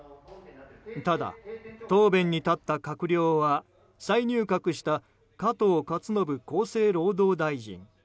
ただ、答弁に立った閣僚は再入閣した加藤勝信厚生労働大臣。